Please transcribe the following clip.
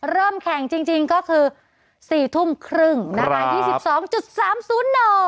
เริ่มแข่งจริงก็คือ๔ทุ่มครึ่งนะคะ๒๒๓๐๑